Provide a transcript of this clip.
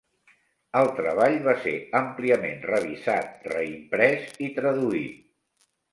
El treball va ser àmpliament revisat, reimprès i traduït.